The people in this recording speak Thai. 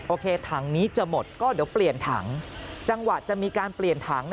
ถังนี้จะหมดก็เดี๋ยวเปลี่ยนถังจังหวะจะมีการเปลี่ยนถัง